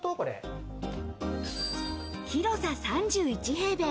広さ３１平米。